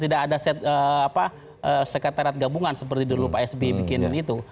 tidak ada sekaterat gabungan seperti dulu pak s b bikin itu